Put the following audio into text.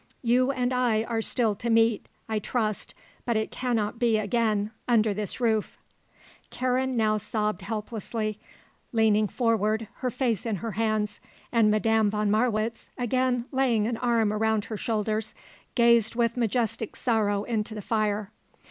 You and I are still to meet, I trust; but it cannot again be under this roof." Karen now sobbed helplessly, leaning forward, her face in her hands, and Madame von Marwitz, again laying an arm around her shoulders, gazed with majestic sorrow into the fire.